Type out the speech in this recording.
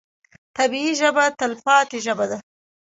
طبیعي ژبه تلپاتې ژبه ده.